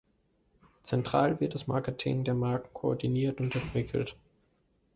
Zentral wird das Marketing der Marken koordiniert und entwickelt.